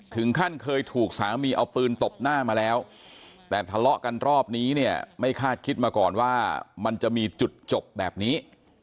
ถึงขั้นเคยถูกสามีเอาปืนตบหน้ามาแล้วแต่ทะเลาะกันรอบนี้เนี่ยไม่คาดคิดมาก่อนว่ามันจะมีจุดจบแบบนี้